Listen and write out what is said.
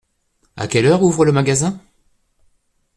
À quelle heure ouvre le magasin ?